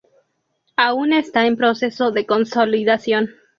Aún está en proceso de consolidación.